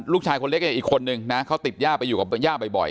ลูกชายคนเล็กอีกคนนึงนะเขาติดย่าไปอยู่กับย่าบ่อย